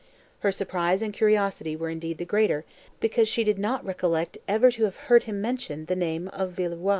Her surprise and curiosity were indeed the greater, because she did not recollect ever to have heard him mention the name of Villeroi.